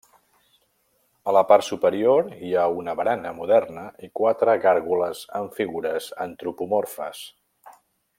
A la part superior hi ha una barana moderna i quatre gàrgoles amb figures antropomorfes.